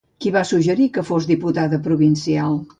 Qui va suggerir que fos diputada provincial?